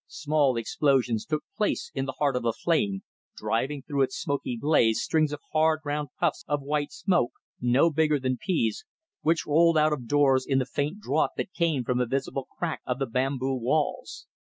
Small explosions took place in the heart of the flame, driving through its smoky blaze strings of hard, round puffs of white smoke, no bigger than peas, which rolled out of doors in the faint draught that came from invisible cracks of the bamboo walls.